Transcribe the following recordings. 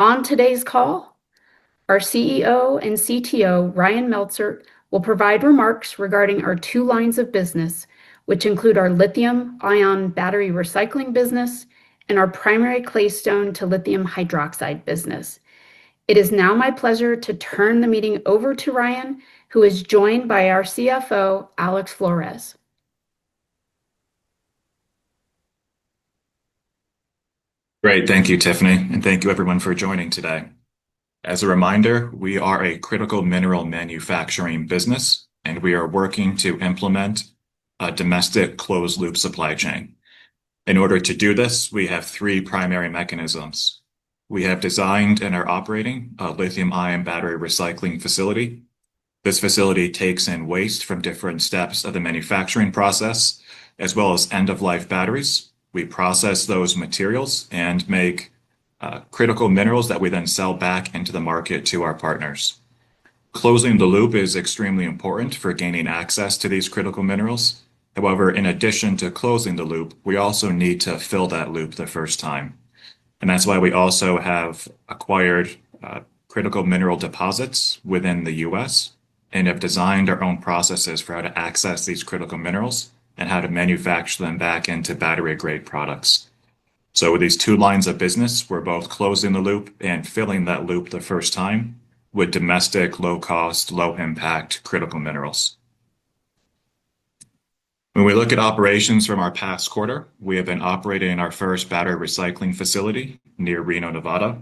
On today's call, our CEO and CTO, Ryan Melsert, will provide remarks regarding our two lines of business, which include our lithium-ion battery recycling business and our primary claystone-to-lithium hydroxide business. It is now my pleasure to turn the meeting over to Ryan, who is joined by our CFO, Alex Flores. Great. Thank you, Tiffiany, and thank you, everyone, for joining today. As a reminder, we are a critical mineral manufacturing business, and we are working to implement a domestic closed-loop supply chain. In order to do this, we have three primary mechanisms. We have designed and are operating a lithium-ion battery recycling facility. This facility takes in waste from different steps of the manufacturing process, as well as end-of-life batteries. We process those materials and make critical minerals that we then sell back into the market to our partners. Closing the loop is extremely important for gaining access to these critical minerals. However, in addition to closing the loop, we also need to fill that loop the first time; that's why we have also acquired critical mineral deposits within the U.S. and have designed our own processes for how to access these critical minerals and how to manufacture them back into battery-grade products. With these two lines of business, we're both closing the loop and filling that loop the first time with domestic, low-cost, low-impact critical minerals. When we look at operations from our past quarter, we have been operating our first battery recycling facility near Reno, Nevada.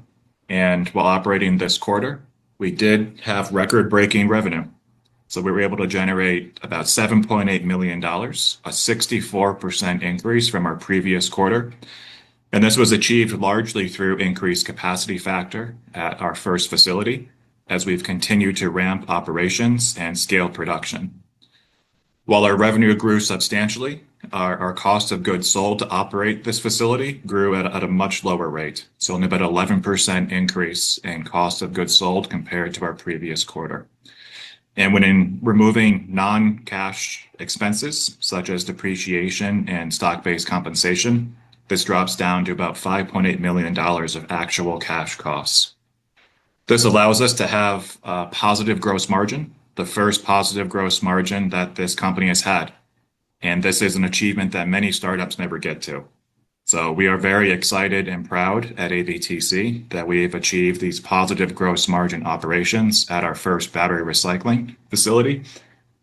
While operating this quarter, we did have record-breaking revenue. We were able to generate about $7.8 million, a 64% increase from our previous quarter. This was achieved largely through increased capacity factor at our first facility as we've continued to ramp operations and scale production. While our revenue grew substantially, our cost of goods sold to operate this facility grew at a much lower rate, so only about 11% increase in cost of goods sold compared to our previous quarter. When removing non-cash expenses such as depreciation and stock-based compensation, this drops down to about $5.8 million of actual cash costs. This allows us to have a positive gross margin, the first positive gross margin that this company has had, and this is an achievement that many startups never get to. We are very excited and proud at ABTC that we have achieved these positive gross margin operations at our first battery recycling facility,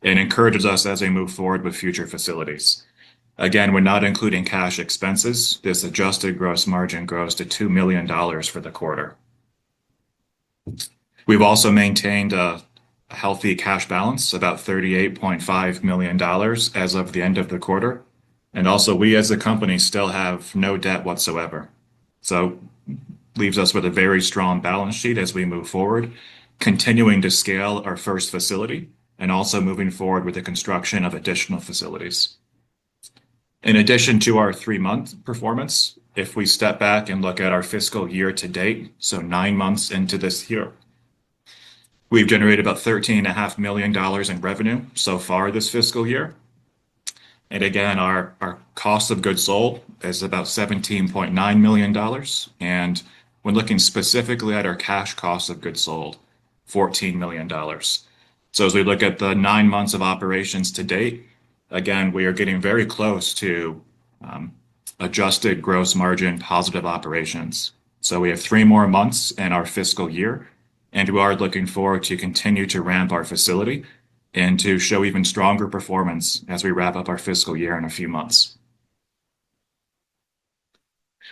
and it encourages us as we move forward with future facilities. Again, we're not including cash expenses. This adjusted gross margin grows to $2 million for the quarter. We've also maintained a healthy cash balance, about $38.5 million as of the end of the quarter. Also, we as a company still have no debt whatsoever. Leaves us with a very strong balance sheet as we move forward, continuing to scale our first facility and also moving forward with the construction of additional facilities. In addition to our three-month performance, if we step back and look at our fiscal year to date, nine months into this year, we've generated about thirteen and a half million dollars in revenue so far this fiscal year. Again, our cost of goods sold is about $17.9 million. When looking specifically at our cash cost of goods sold, $14 million. As we look at the nine months of operations to date, again, we are getting very close to adjusted gross margin-positive operations. We have three more months in our fiscal year; we are looking forward to continue to ramp up our facility and to show even stronger performance as we wrap up our fiscal year in a few months.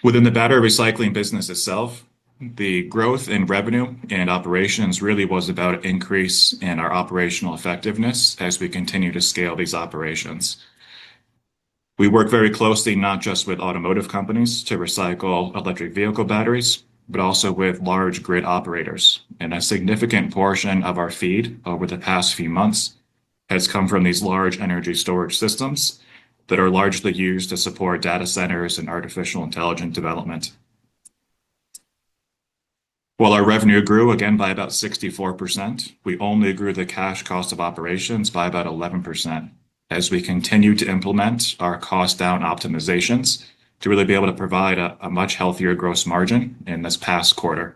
Within the battery recycling business itself, the growth in revenue and operations really was about increase in our operational effectiveness as we continue to scale these operations. We work very closely, not just with automotive companies to recycle electric vehicle batteries, but also with large grid operators. A significant portion of our feed over the past few months has come from these large energy storage systems that are largely used to support data centers and artificial intelligence development. While our revenue grew again by about 64%, we only grew the cash cost of operations by about 11% as we continue to implement our cost-down optimizations to really be able to provide a much healthier gross margin in this past quarter.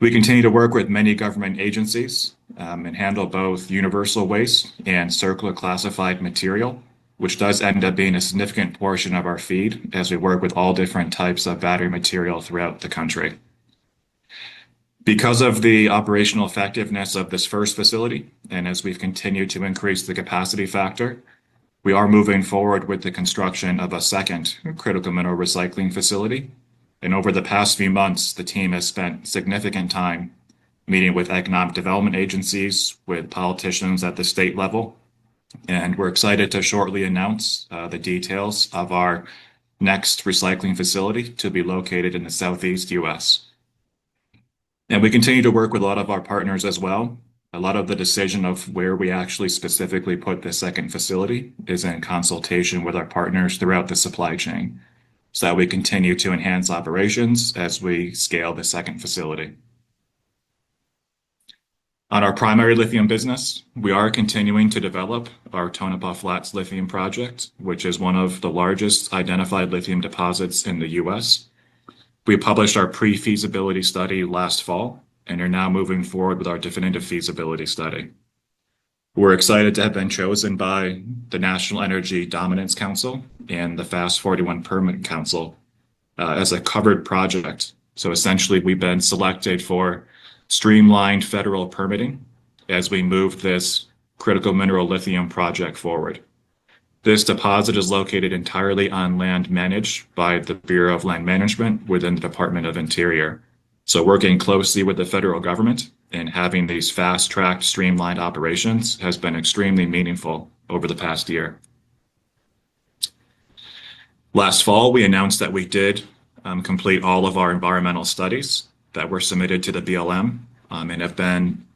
We continue to work with many government agencies and handle both universal waste and CERCLA classified material, which does end up being a significant portion of our feed as we work with all different types of battery material throughout the country. Because of the operational effectiveness of this first facility and as we've continued to increase the capacity factor, we are moving forward with the construction of a second critical mineral recycling facility. Over the past few months, the team has spent significant time meeting with economic development agencies, with politicians at the state level, and we're excited to shortly announce the details of our next recycling facility to be located in the Southeast U.S. We continue to work with a lot of our partners as well. A lot of the decision of where we actually specifically put the second facility is in consultation with our partners throughout the supply chain so that we continue to enhance operations as we scale the second facility. On our primary lithium business, we are continuing to develop our Tonopah Flats Lithium Project, which is one of the largest identified lithium deposits in the U.S. We published our pre-feasibility study last fall and are now moving forward with our definitive feasibility study. We're excited to have been chosen by the National Energy Dominance Council and the FAST-41 Permitting Council as a covered project. Essentially, we've been selected for streamlined federal permitting as we move this critical mineral lithium project forward. This deposit is located entirely on land managed by the Bureau of Land Management within the Department of the Interior. Working closely with the federal government and having these fast-tracked streamlined operations has been extremely meaningful over the past year. Last fall, we announced that we did complete all of our environmental studies that were submitted to the BLM and have been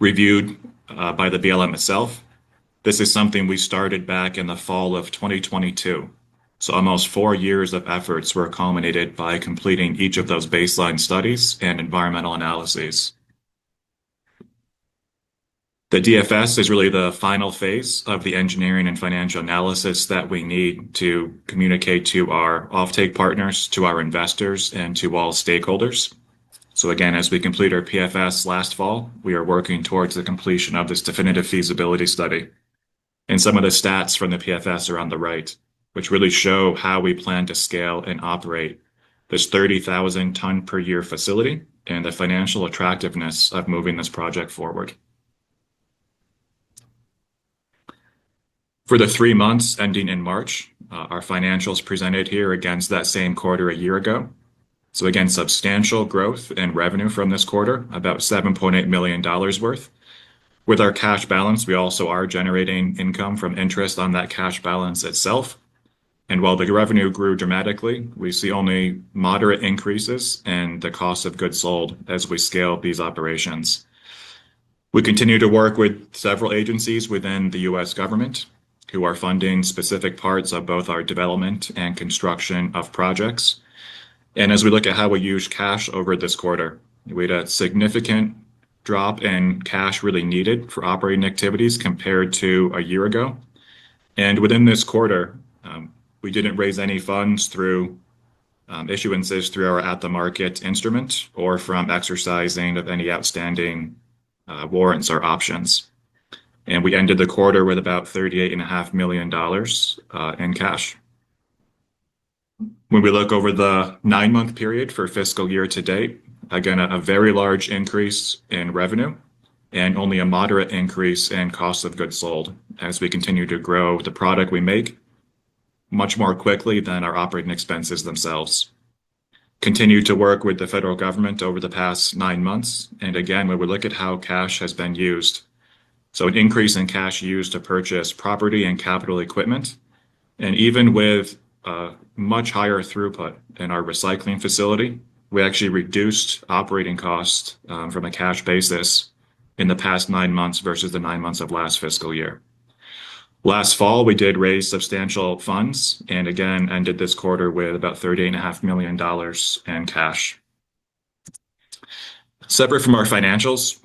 reviewed by the BLM itself. This is something we started back in the fall of 2022. Almost four years of efforts were culminated by completing each of those baseline studies and environmental analyses. The DFS is really the final phase of the engineering and financial analysis that we need to communicate to our offtake partners, to our investors, and to all stakeholders. As we complete our PFS last fall, we are working towards the completion of this definitive feasibility study. Some of the stats from the PFS are on the right, which really show how we plan to scale and operate this 30,000-ton-per-year facility and the financial attractiveness of moving this project forward. For the three months ending in March, our financials presented here against that same quarter a year ago. Substantial growth and revenue from this quarter, about $7.8 million worth. With our cash balance, we also are generating income from interest on that cash balance itself. While the revenue grew dramatically, we see only moderate increases in the cost of goods sold as we scale these operations. We continue to work with several agencies within the U.S. government who are funding specific parts of both our development and construction of projects. As we look at how we used cash over this quarter, we had a significant drop in cash really needed for operating activities compared to a year ago. Within this quarter, we didn't raise any funds through issuances through our at-the-market instrument or from exercising any outstanding warrants or options. We ended the quarter with about $38.5 million in cash. We look over the nine-month period for fiscal year-to-date, again, a very large increase in revenue and only a moderate increase in cost of goods sold as we continue to grow the product we make much more quickly than our operating expenses themselves. We continue to work with the federal government over the past nine months. Again, we look at how cash has been used. An increase in cash used to purchase property and capital equipment. Even with a much higher throughput in our recycling facility, we actually reduced operating costs from a cash basis in the past nine months versus the nine months of last fiscal year. Last fall, we did raise substantial funds and again ended this quarter with about $30.5 million in cash. Separate from our financials,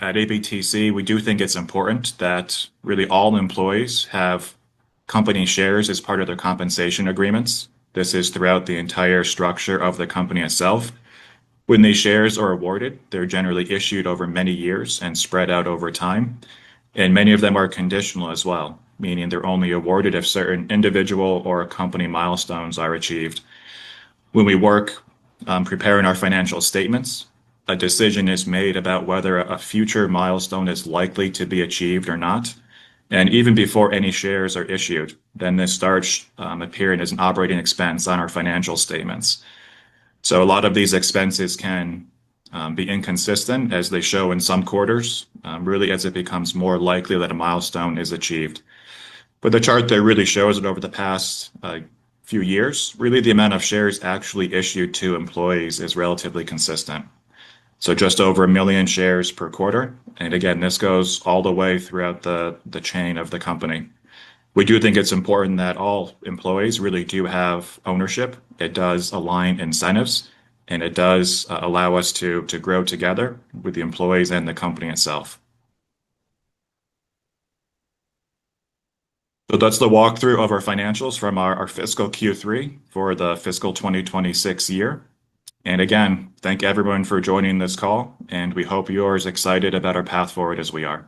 at ABTC, we do think it's important that really all employees have company shares as part of their compensation agreements. This is throughout the entire structure of the company itself. When these shares are awarded, they're generally issued over many years and spread out over time, and many of them are conditional as well, meaning they're only awarded if certain individual or company milestones are achieved. When we work, preparing our financial statements, a decision is made about whether a future milestone is likely to be achieved or not, and even before any shares are issued, then this starts appearing as an operating expense on our financial statements. A lot of these expenses can be inconsistent as they show in some quarters, really as it becomes more likely that a milestone is achieved. The chart there really shows that over the past few years, really, the amount of shares actually issued to employees is relatively consistent. Just over 1 million shares per quarter, and again, this goes all the way throughout the chain of the company. We do think it's important that all employees really do have ownership. It does align incentives, and it does allow us to grow together with the employees and the company itself. That's the walkthrough of our financials from our fiscal Q3 for the fiscal 2026 year. Again, thank everyone for joining this call, and we hope you're as excited about our path forward as we are.